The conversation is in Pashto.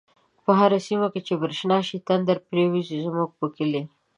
په هره سیمه چی برشنا شی، تندر پریوزی زمونږ په کلی